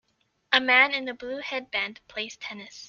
A man in a blue headband plays tennis.